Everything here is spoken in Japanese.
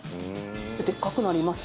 でっかくなります？